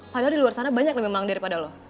padahal di luar sana banyak yang lebih malang daripada lo